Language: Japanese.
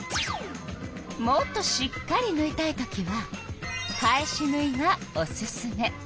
もっとしっかりぬいたいときは返しぬいがおすすめ。